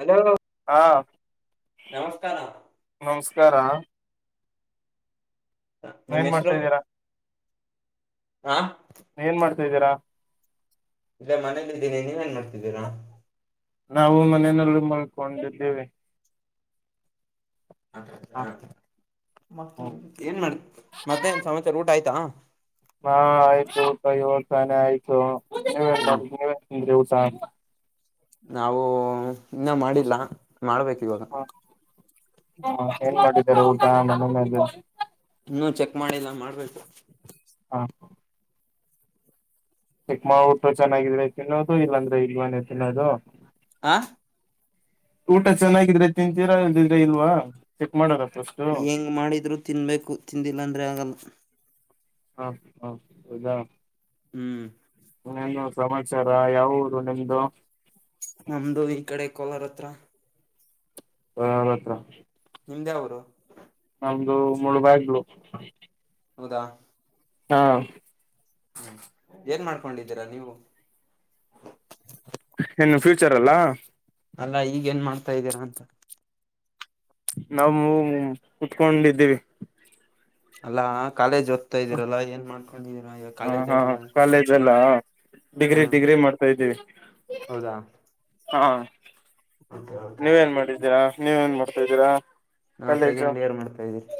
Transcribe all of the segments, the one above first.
Hello ಹಾ ನಮಸ್ಕಾರ ನಮಸ್ಕಾರ ಹ ನಿಮ್ಮ ಏನ್ ಮಾಡ್ತಾ ಹೆಸರು ಇದ್ದೀರಾ ಆ ಏನ್ ಮಾಡ್ತಾದ್ದೀರಾ ಇಲ್ಲ ಮನೇಲಿ ಇದಿದ್ದೀನಿ ನೀವೇನ್ ಮಾಡ್ತಿದ್ದೀರಾ ನಾವು ಮನೆಯನೆಲ್ಲ ಮಲ್ಕೊಂಡಿದ್ದೇವೆ. ಹಾ ಏನ್ ಮಾಡ ಮತ್ತೆ ಸಮಸರ ಊಟ ಆಯ್ತಾ. ಹಾ- ಆಯ್ತು ಊಟ ಇವಸಾನೆ ಆಯ್ತು ನೀವನ್ ಹ್ಮ್ ಮಾಡ ನೀವ ಸ [unintelligible] ನಾವು ಇನ್ನ ಮಾಡಿಲ್ಲ ಮಾಡ್ಬೇಕು ಇವಾಗ. ಹ ಹಾ ಮದು [unintelligible] ಇನ್ನುೂ ಚೆಕ್ ಮಾಡಿಲ್ಲ ಮಾಡ್ಬೇಕು. ಹ ಚಿಕ್ಮ ಊಟ್ಟು ಚೆನ್ನಾಗಿದ್ರೆ ತಿನ್ನೋದು ಇಲ್ಲಾಂದ್ರೆ ಇಲ್ವಾನೇ ತಿನ್ನೋದು. ಆ ಊಟ ಚೆನ್ನಾಗಿದ್ರೆ ತಿಂತೀರಾ ಇಲ್ದಿದ್ರೆ ಇಲ್ವಾ ಚೆಕ್ ಮಾಡಾರ. ಹೆಂಗ್ ಮಾಡಿದ್ರು ತಿನ್ಬೇಕು. ತಿಂದಿಲ್ಲ ಅಂದ್ರೆ ಆಗಲ್ಲ. ಹಾ -ಹಾ - [unintelligible] ಹೌದಾ ಹ್ಮ್ ಸಮಾಚಾರ ಯಾವ ರು ನಿಮ್ದು. ನಮ್ದು ಈ ಕಡೆ ಕೋಲಾರ ಹತ್ರ. ಹನ್ತ್ರ [unintelligible] ನಿಮ್ದಾಯಾವರು. ಒಮಂದು ಮೂಳೆ ಬಾಗಿಲು ಹೌದಾ ಹಾ ಹ್ಮ್ -ಏನ್ ಮಾಡ್ಕೊಂಡಿದ್ದೀರಾ ನೀವು. ಇನ್ನು ಫ್ಯೂಚರ್ ಅಲ್ಲ [unintelligible] ಅಲ್ಲಾ ಈಗ ಏನ್ ಮಾಡ್ತಾ ಇದ್ದೀರಾ ಅಂತ. ನಾವ ಕುತ್ಕೊಂಡಿದ್ದೀವಿ. ಅಲ್ಲಾ ಕಾಲೇಜ್ ಓದ್ತಾ ಇದ್ದೀರಲ್ಲ ಏನ್ ಮಾಡ್ಕೊಂಡಿದೀರಾ ಈಗ ಹ ಕಾಲೇಜ ಹಾ ಇಲ್ಲ. ಕಾಲೇಜ್ ಎಲ್ಲ ಡಿಗ್ರಿ ಹ್ಮ ಡಿಗ್ರಿ ಮಾಡ್ತಾ್ದೀವಿ ಹೌದಾ -ಹಾ ನೀವೇನ್ ಮಾಡಿದ್ದೀರಾ ನೀವೇನ್ ಮಾಡ್ತಾ ಇದಿದ್ದೀರಾ. ನಾ- ಸೆಕೆಂಡ್ ಇಯರ್ ಮಾಡ್ತಾ ಇದ್ದೀರಿ.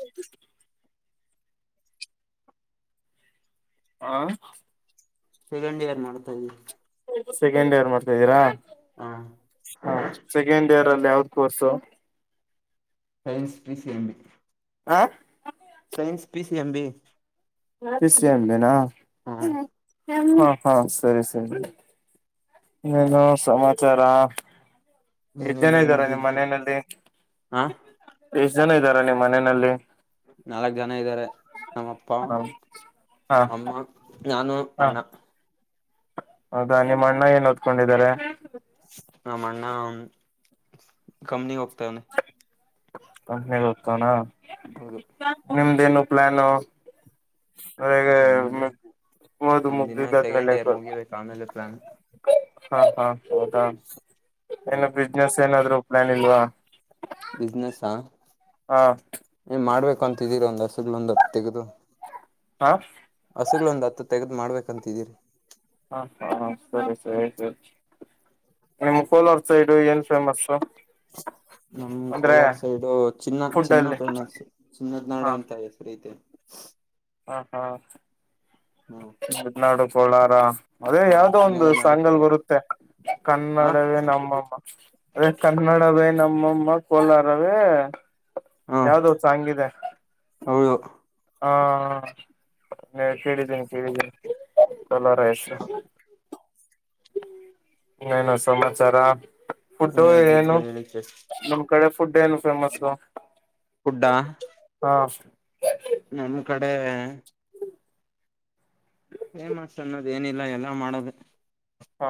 ಆ ಸೆಕೆಂಡ್ ಇಯರ್ ಮಾಡ್ತಾ ಇದವಿ. ಸೆಕೆಂಡಿರ್ ಮಾಡ್ತಾ ಇದ್ದೀರಾ. ಹಾ [unintelligible] ರಲ್ಲಿ ಯಾವ್ದ course. Science P- C M- B- ಹಾ science P- C -M- B- P C M- ಹ ಬಿ-ಅಂಬನಾ ಹ -ಹಾ ಸರಿ ಸರಿ ಇಏನು ಸಮಾಚಾರ. ಎಷ್ಟು ಏನಿಲ್ಲ ಜನ ಇದ್ದಾರ ಏನಾದ್ರು ನಿಮ್ಮ್ ಇದ್ರೆ ಮನೆಯಲ್ಲಿ. ಹ ಎಷ್ಟು ಜನ ಇದ್ದಾರ ನಿಮ್ಮ್ ಮನೆಯಲ್ಲಿ. ನಾಲ್ಕ್ ಜನ ಇದ್ದಾರೆ ನಮ್ಮಪ್ಪ ಹ ಹಾ ಅಮ್ಮ. ನಾನು ಅಣ್ಣ. ಹೌದಾ ನಿಮ್ಮ ಅಣ್ಣ ಏನ್ ಓದ್ಕೊಂಡಿದಿದ್ದಾರೆ. ನಮ್ಮ ಅಣ್ಣ ಕಂಪನಿ ಹೋಗ್ತವನ. ಮ್ಮೆ- ಗೊತಣ ಹೌದು ನಿಮ್ದೇನು ಪ್ಲಾನ್ ನಮ್ದು ಓದು ನಮ್ದು ಇನ್ನ ಮುಗ್ದಿದ್ದಾದ್ಮೇಲೆ ಸೆಕೆಂಡ್ ಇಯರ್ ಮುಗಿಬೇಕು ಆಮೇಲೆ ಪ್ಲಾನ್. ಹಾ- ಹಾ -ಹೌದಾ. ಏನು ಹೌದು ಬಿಸ್ನೆಸ್ ಏನಾದ್ರು ಪ್ಲಾನ್ ಇಲ್ವಾ. ಬಿಸ್ನೆಸ್ಸಾ ಹಾ ಏ ಮಾಡ್ಬೇಕು ಅಂತಿದ್ದೀರ ಒಂದ ಹಸಗ್ ಒಂದುತ್ತು ತೆಗದು ಹಾ ಹಸುಗ್ಗಳು ಒಂದ್ ಹತ್ತ ತೆಗದ್ ಮಾಡ್ಬೇಕಂತಿದೀರಿ ಹಾ ಹಾ ಸರಿ ಸರಿ ಸರಿ ನಿಮ್ ಕೋಲಾರ ಸೈಡು ಏನ್ ಫೇಮಸ್ ನಮ್ ಅಂದ್ರೆ ಕೋಲಾರ ಸೈಡು ಚಿನ್ನ ಫುಡ್ ಚಿನ್ನ ಅಲ್ಲಿ ಫೇಮಸ್ ಚಿನ್ನದ್ ನಾಡು ಹಾ ಅಂತ ಹೆಸರಿೀತೆ ಹಾ ಹಾ ಹ್ಮ್ ಮನಾಡು ಕೋಳಾರ ಅದೇ ಹಾ ಯಾವ್ದೋ ಒಂದು ಚಿನ್ನದ ನಾಡು ಸಾಂಗಲ್ ಕೋಲಾರ ಬರುತ್ತೆ ಹ ಕನ್ನಡವೇ ನಮ್ಮಮ್ಮ ಅದೆ ಕನ್ನಡವೇ ನಮ್ಮಮ್ಮ ಕೋಲಾರವೇ ಹಾ ಯಾವ್ದ ಸಾಂಗಿದೆ ಹೌದು ಕೇಳಿದ್ದೀನಿ ಕೇಳಿದ್ದೀನಿಲಾರ ಹೆಸ ನ ನ ಸಮಾಚಾರ ಆ ಫುಡ್ ಏನಾದ್ರೂ ಏನು ಇದ್ರೆ ಹೇಳಿ ಕೇಳ್ ನಮ್ ಕಡೆ ಫುಡ್ ಏನು ಫೇಮಸ್ ಕುಡ್ಡ ಹಾ ನಮ್ ಕಡೆ ಫೇಮಸ್ ಅನ್ನೋದ ಏನಿಲ್ಲ ಎಲ್ಲ ಮಾಡೋದು ಹ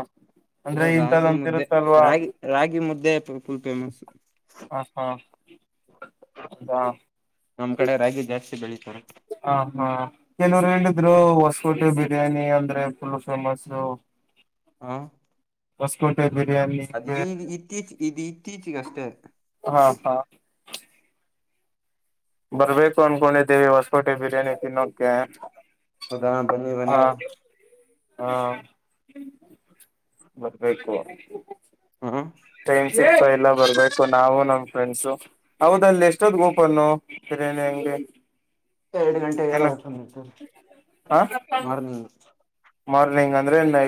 ಅದ ಅಂದ್ರೆ ರಾಗಿ ಇಂಥದಂತ ಮುದ್ದೆ ಇರುತ್ತಲ್ವಾ ರಾಗಿ ಹ ರಾಗಿ ಮುದ್ದೆ ಫುಲ್ ಫೇಮಸ್ ಹ ಹ ನಮ್ ಕಡೆ ರಾಗಿ ಜಾಸ್ತಿ ಬೆೇಕ ಹ ಹಾ ಕೆಲವರು ಹೇಳಿದ್ರು ಹೊಸ ಕೋಟೆ ಬಿರಿಯಾನಿ ಅಂದ್ರೆ ಫುಲ್ಲ ಫೇಮಸ್ ಹ ಹೊಸ್ಕಂಟ ಅದ ಈ ಇತ್ತೀಚೆ ಇದು ಇತ್ತೀಚಗ ಅಷ್ಟೇ ಹಾ ಹಾ ಬರ್ಬೇಕು ಅನ್ಕೊಂಡಿದ್ದೀವಿ ಹೊಸಕೋಟೆ ಬಿರ್ಯಾನಿ ತಿನ್ನೋಕ ಹದ ಬನ್ನಿ ಬನ್ನಿ ಹಾ ಬರ್ಬೇಕು ಹಾ ಹ ಸಿಪ ಎಲ್ಲ ಬರ್ಬೇಕು ನಾವು ನಮ್ ಫ್ರೆಂಡ್ಸು ಅವದ ಅಲ್ಲಿ ಎಷ್ಟೊದ್ ಗೋಪನು ಹಿರಾನಿ ಹಂಗೆ ಹ ಎರಡು ಗಂಟೆ ಎಲ್ಲ ಹೋಗ ಸರ್ ಹ ಮಾರ್ನಿಂಗ್ ಮಾರ್ನಿಂಗ್ ಅಂದ್ರೆ ನೈ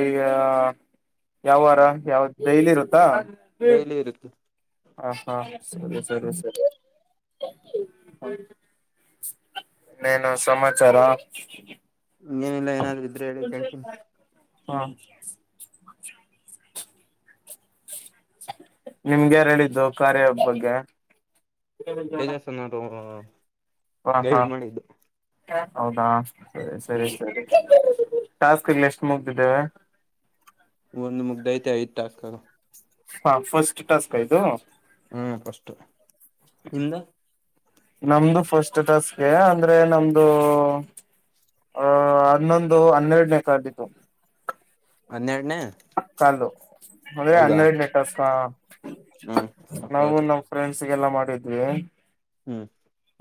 ಯಾವ ವಾರ ಯಾವ ಡೈಲಿ ಇರುತ್ತಾ ಡೈಲಿ ಇರುತ್ತೆ ಹ ಹಾ ಸರಿ ಸರಿ ಸರಿ ನನು ಸಮಾಚಾರಾ ಇೇನಿಲ್ಲ ಏನಾದ್ರು ಇದ್ರರು ಹೇಳಿ ಕೇಳ್ತೀನಿ ಹ್ಮ ನಿಮ್ಗೆಾರ ಹೇಳಿದ್ದು ಕಾರ್ಯ ಒಬ್ ಬಗ್ಗೆ ವೇದಾಸನ ತ ಹ ಹಾ ಗೈಡ್ ಮಾಡಿದ್ದು ಹೌದಾ ಸರಿ ಸರಿ ಹೌದು ಸರಿ ಟಾಸ್ಕ್ಲ್ಲಿ ಎಷ್ಟು ಮುಗತಿದ್ದೇವೆ ಒಂದು ಮುಗ್ದ ಐತೆ ಐದ ತಾಕ ಹಾ ಫಸ್ಟ್ ಟಾಸ್ಕ್ ಇದು ಹ್ಮ ಪಸ್ಟ್ ನಿಂದು ನಮ್ದು ಫಸ್ಟ್ ಟಾಸ್ಕ್ ಅಂದ್ರೆ ನಮ್ದು ಆಹ ಹನ್ನೊಂದು ಹನ್ನೆರಡನ ತಾರೀಕು ಹನ್ನೆರಡು ಕಲ್ಲು ಅದೇ ಹೌದಾ ಹನ್ನೆರಡನೆ ಟಾಸ್ಕ್ ಹ್ಮ್ ನಾವು ಓಕೆ ನಮ್ಮ್ ಪ್ರೆಂಡ್ಸ್. ಸಿಗೆಲ್ಲ ಮಾಡಿದ್ವಿ. ಹ್ಮ್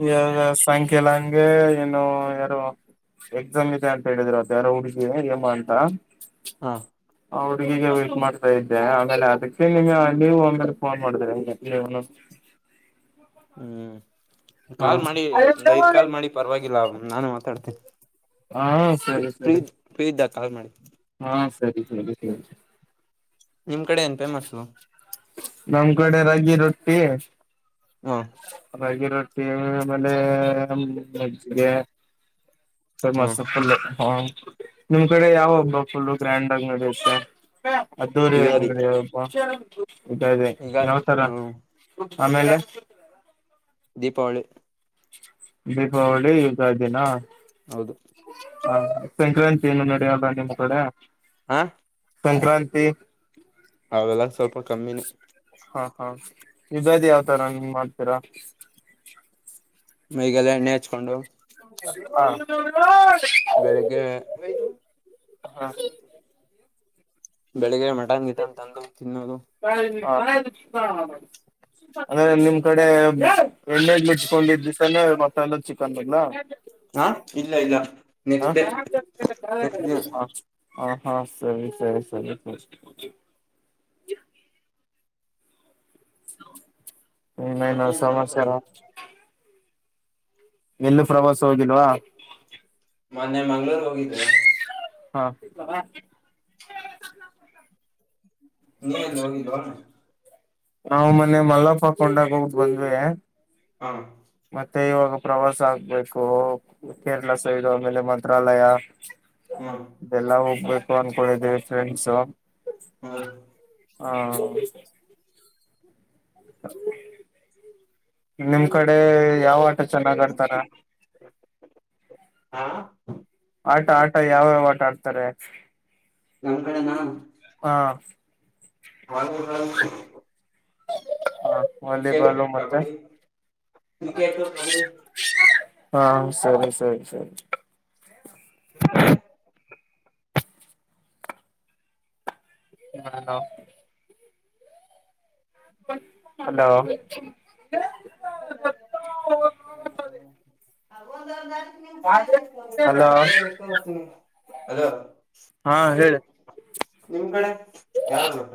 ಇವಾಗ ಸಾಯಂಕಾಲ ಹಂಗೆ ಏನು ಯಾರೋ. ಎಕ್ಸಾಮ್ ಇದೆ ಅಂತ ಹೇಳಿದ್ರಂತ ಯಾರೋ ಹುಡುಗಿ ಹೇಮಾ ಅಂತ. ಹಾ ಆ ಹುಡ್ಗಿಗೆ ವೇಟ್ ಮಾಡ್ತಾ ಇದ್ದೆ ಆಮೇಲೆ ಅದೀಕ್ಕೆ ಇಗೆ ನೀವು ಮೇಲೆ ಫೋನ್ ಮಾಡಿದ್ರಿ [unintelligible] ಹ್ಮ್ ಹಾ ಕಾಲ್ ಮಾಡಿ ಒಂದ ಐದ್ ಕಾಲ್ ಮಾಡಿ ಪರವಾಗಿಲ್ಲ ನಾನು ಮಾತಾಡ್ತೀನ. ಹಾ ಪ್ರೀ ಸರಿ ಫ್ರೀ ಸರಿ ಫ್ರೀ ಇದ್ದಾಗ್ ಕಾಲ್ ಮಾಡಿ. ಹಾ ಸರಿ ಸರಿ ಸರಿ. ನಿಮ್ ಕಡೆ ಏನ್ ಫೇಮಸ್ಸು ನಮ್ ಕಡೆ ರಾಗಿ ರೊಟ್ಟಿ. ಹಾ ರಾಗಿ ರೊಟ್ಟಿ ಆಮೇಲೆ ಮಜ್ಜಗೆ. ಫೇಮಸ್ ಹ್ಮ್ ಫುಲ್ ಹ ನಿಮ್ ಕಡೆ ಯಾವ ಹಬ್ಬ ಫುಲ್ಲು ಗ್ರ್ಯಾಂಡ್ ಆಗಿ ನಡೆಯುತ್ತೆ. ಅದ್ದೂರಿ ಆಗಿ ಯುಗಾದಿ ನಡಿಯೋ ಹಬ್ಬ ಯುಗಾದಿ ಯುಗಾ ಯಾವ್ ತರ. ಹ್ಮ ಆಮೇಲೆ ದೀಪಾವಳಿ ದೀಪಾವಳಿ ಯುಗಾದಿನಾ. ಹೌದು ಹ ಸಂಕ್ರಾಂತಿ ಏನು ನಡೆಯಲ್ಲ ನಿಮ್ಮ್ ಕಡೆ ಹ ಸಂಕ್ರಾಂತಿ. ಅವೆಲ್ಲ ಸ್ವಲ್ಪ ಕಮ್ಮಿನೆ. ಹಾ ಹಾ ಯಗಾದಿ ಯಾವತರ ನೀವ್ ಮಾಡ್ತೀರಾ. ಮೈಗೆಲ್ಲ ಎಣ್ಣೆ ಹಚ್ಕೊಂಡು. ಬೆಳಿಗ್ಗೆ ಹ. [unintelligible] ಬೆಳಿಗ್ಗೆ ಮಟನ್ ಗಿಟನ್ ತಂದು ತಿನ್ನೋದು. ಹಾ ಅಂದ್ರೆ ನಿಮ್ ಕಡೆ ಎಣ್ಣೆ ಮುಚ್ಕೊಂಡಿದ ದಿವಸಾನೆ ಮಸಾಲೆ ಚಿಕನೆಲ್ಲ. ಹಾ ಇಲ್ಲ ಇಲ್ಲ. ಹ ನೆಕ್ಸ್ಟ್ ಡೇ ನೆಕ್ಸ್ಟ್ ದಿನ ಹ ಹ ಹಾ ಸರಿ ಸರಿ ಸರಿ ಇನ್ನೇನು ಸಮಾಚಾರ. ಎಲ್ಲೂ ಪ್ರವಾಸ ಹೋಗಿಲ್ವಾ. ಮೊನ್ನೆ ಮಂಗ್ಳೂರ್ ಹೋಗಿದ್ದೆ. ಹಾ ನೀವ್ ಎಲ್ಲು ಹೋಗಿಲ್ವಾ. ನಾವು ಮೊನ್ನೆ ಮಲ್ಲಪ್ಪ ಕೊಂಡಾಗ ಹೋಗ್ ಬಂದ್ವೆ. ಹಾ ಮತ್ತೆ ಇವಾಗ ಪ್ರವಾಸ ಆಗ್ಬೇಕು ಕೇರಳ ಸೈಡು ಆಮೇಲೆ ಮಂತ್ರಾಲಯ.. ಹಾ ಎಲ್ಲಾ ಹೋಗ್ಬೇಕು ಅನ್ಕೊಂಡೀದೀವಿ ಫ್ರೆಂಡ್ಸು. ಹ್ಮ ಹಾ [inaudible] ನಿಮ್ ಓಕೆ ಕಡೆ ಓಕೆ ಯಾವ ಆಟ ಚೆನ್ನಾಗ್ ಆಡ್ತಾರ. ಹಾ ಆಟ ಆಟ ಯಾವ ಯಾವ ಆಟ ಆಡ್ತಾರೆ. ನಮ್ ಕಡೆನಾ. ಹಾ ವಾಲಿ ಬಾಲ್. ಹ ವಾಲಿಬಾಲು ಮತ್ತೆ ಕಬಡ್ಡಿ ಕ್ರಿಕೆಟ್ ಕಬಡ್ಡಿ ಹಾ ಸರಿ ಸರಿ ಸರಿ ನಿ ಕಡೆ ಹಾ ಹ [unintelligible] ಹಲೋ [unintelligible] ತ ಹಲೋ ಅ [unintelligible] ಹಾ ಹೇಳಿ ನಿಮ್ ಕಡೆ ಯಾರಾಗಟ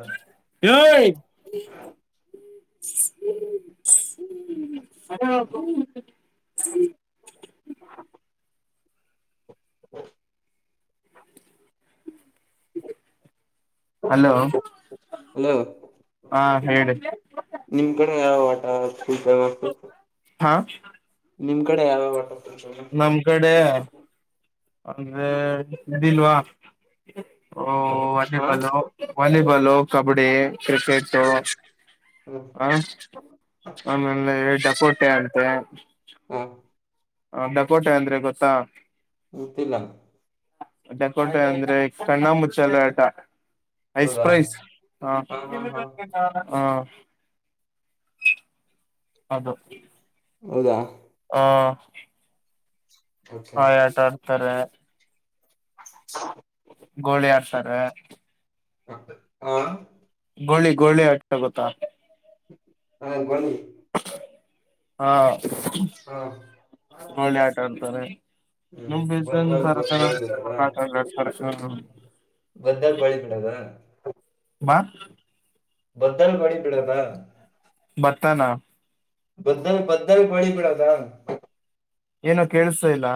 ಹ್ಮ್ [unintelligible] ಹ [unintelligible] ಹ [unintelligible] ಹಲೋ ಹಲೋ ಹ ಹೇಳ ನಿಮ್ ಕಡೆ ಯಾವ ಆಟ ಲ್ ಫೇಮಸ್ ಹಾ ನಿಮ್ ಕಡೆ ಯಾವಟ ನಮ್ ಕಡೆ ಅಂದ್ರೆ ಇದಿಲ್ವಾ ಓ ಹಾ ವಾಲಿಬಾಲ್ ವಾಲಿಬಾಲ್ ಕಬಡ್ಡಿ ಕ್ರಿಕೆಟ್ ಹ ಆಮೇಲೆ ಎ ದಪೋಟೆ ಆಡ್ತೆ ಹಾ ಹ ಕೋಟೆ ಅಂದ್ರೆ ಗೊತ್ತಾ ಗೊತ್ತಿಲ್ಲ ಡೆಕೋಟೆ ಅಂದ್ರೆ ಕಣ್ಣ ಮುಚ್ಚಲ್ಲ ಆಟ ಐಸ್ ಹೌದಾ ಪ್ರ್ರೈಸ್ ಹ ಹಾ ಹಾ ಹಾ ಹ ಅದು ಹೌದಾ ಹಾ ಹ ಆತಾ ಆಡ್ತಾರೆ ಹ [unintelligible] ಗೋಳಿ ಆಡ್ತಾರ ಹ ಹ ಗೋಳಿ ಗೋಳಿ ಅಷ್ಟ ಗೊತ್ತಾ ಹಾ ಬಿ ಹಾ ಹಾ ಗೋಲಿ ಆಟ ಅತಾರೆ ಹ್ಮ್ ಇನ್ನ ಬಸ ಬದ್ದಲ್ ಬಳಿ ತರತರ ಬದಲ್ ಬಳಿ ಬಿಡದ ಮಾ ಬ್ಧಲ್ ಬಡಿ ಪಿಡದ ಭತ್ತನಾ ಬ್ಧಲ್ ಬ್ಧಲ್ ಪಳ ಪಡದ ಏನೋ ಕೇಳಸ ಇಲ್ಲ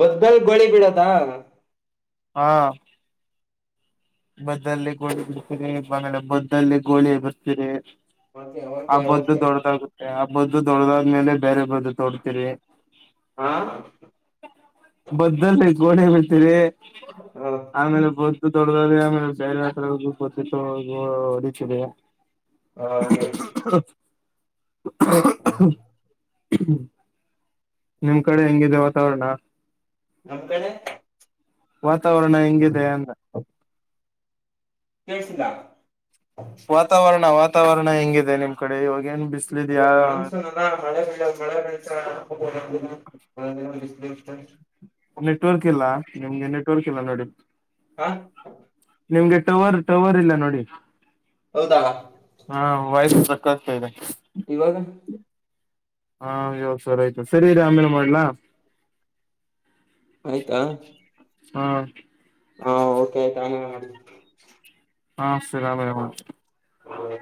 ಬದಬಲ್ ಬಳಿ ಬಿಡದ ಹಾ ಮದ್ದಲ್ಲಿ ಗೋಳಿ ಬರ್ತೀರಿಲೆ ಮದ್ದಲ್ಲಿ ಗೋಳಿ ಬರ್ತೀರಿ ಓಕೆ ಓಕೆ ಆಬದ್ದ ಓಕೆ ದೊಡ್ಡದಾಗುತ್ತೆ ಆಬ್ಬದ್ದ ದೊಡದಾದ್ಮೇಲೆ ಬೇರೆ ಬ್ರದ್ದು ತೊಡ್ತಿರಿ ಹಾ ಬ್ದಲ್ಲಿ ಗೋಣ ಬಿಡ್ತೀರಿ ಹ ಹ ಆಮೇಲೆ ಬ್ದ ದೊಡ್ಡ ಮೇಲೆೈತ್ವ ಹೊಡತಿದೆ ಹ ಹಾಗೆ ಹ [inaudible] ನಿಮ್ ಕಡೆ ಹೆಂಗಿದೆ ವಾತಾವರಣ. ನಮ್ ಕಡೆ. ವಾತಾವರಣ ಹೆಂಗಿದೆ ಅಂದೆ. ಕೆಳ್ಸಿಲ್ಲ. ವಾತಾವರಣ ವಾತಾವರಣ ಹೆಂಗಿದೆ ನಿಮ್ ಕಡೆ ಇವಾಗೇನ್ ಇವಾಗ ಮನ್ಸನಲ್ಲ ಮಳೆ ಬೀಳ ಮಳೆ ಬೀಳ್ಸ [unintelligible] [unintelligible] ನೆಟ್ವರ್ಕ್ ಇಲ್ಲ ನಿಮ್ಗೆ ನೆಟ್ವರ್ಕ್ ಇಲ್ಲ ನೋಡಿ. ಹ ನಿಮ್ಗೆ ಟವರ್ ಟವರ್ ಇಲ್ಲ ನೋಡಿ ಹೌದಾ ಹ [unintelligible] [unintelligible] ಇವಾಗ. ಹಾ ಇವಗ್ ಸರಿ ಆಯ್ತು ಸರಿ ಇರು ಆಮೇಲೆ ಮಾಡ್ಲಾ. ಆಯ್ತಾ. ಹಾ ಹಾ ಓಕೆ ಆಯ್ತ್ ಅಮೆಲ್ ಮಾಡಿ. ಹಾ ಸರಿ ಅಮೆಲ್ [unintelligible] ಮಾಡಿ